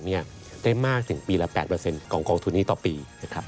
ได้มากถึงปีละ๘ของกองทุนนี้ต่อปีนะครับ